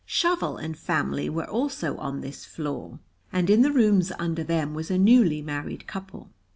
Shovel and family were also on this floor, and in the rooms under them was a newly married couple.